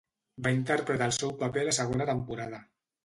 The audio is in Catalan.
Va interpretar el seu paper a la segona temporada.